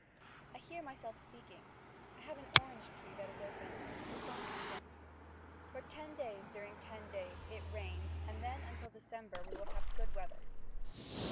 I hear myself speaking. I have an orange tree that is open. The sun comes in. For ten days during ten days it rains and then until December we will have good weather.